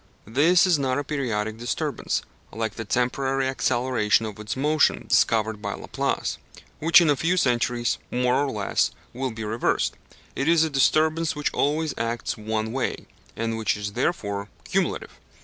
This is not a periodic disturbance, like the temporary acceleration of its motion discovered by Laplace, which in a few centuries, more or less, will be reversed; it is a disturbance which always acts one way, and which is therefore cumulative.